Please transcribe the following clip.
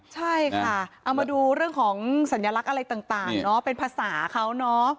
ใช่ค่ะเอามาดูเรื่องของสัญลักษณ์อะไรต่างเนาะเป็นภาษาเขาเนอะ